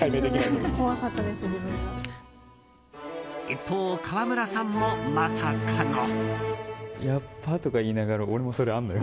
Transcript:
一方、川村さんもまさかの。